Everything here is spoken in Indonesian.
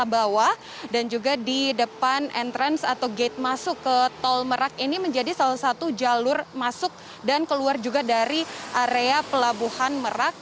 di bawah bawah dan juga di depan entrance atau gate masuk ke tol merak ini menjadi salah satu jalur masuk dan keluar juga dari area pelabuhan merak